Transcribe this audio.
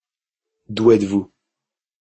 D'où êtes-vous ?